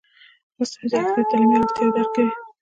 مصنوعي ځیرکتیا د تعلیمي اړتیاوو درک کوي.